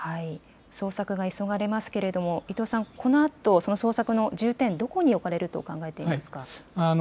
捜索が急がれますが伊藤さん、このあと捜索の重点、どこに置かれると考えていますか。